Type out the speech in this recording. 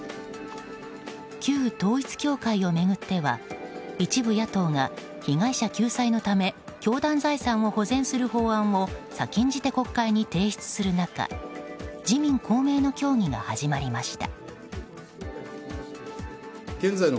旧統一教会を巡っては一部野党が被害者救済のため教団財産を保全する法案を先んじて国会に提出する中自民・公明の協議が始まりました。